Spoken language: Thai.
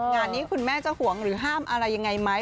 งานนี้คุณแม่จะห่วงหรือห้ามอะไรยังไงไหม